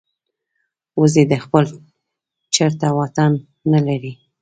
وزې د خپل چرته واټن نه لري